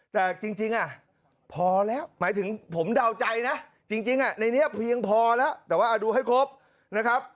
แต่จริงพอแล้วหมายถึงผมเดาใจนะจริงในนี้เพียงพอแล้วแต่ว่าดูให้ครบนะครับ